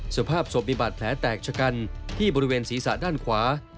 สภาพศพมีบาดแผลแตกชะกันที่บริเวณศีรษะด้านขวา